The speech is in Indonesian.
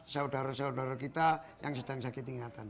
saudara saudara kita yang sedang sakit ingatan